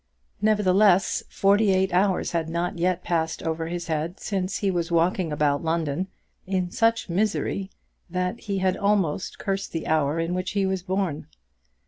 Nevertheless, forty eight hours had not yet passed over his head since he was walking about London in such misery that he had almost cursed the hour in which he was born.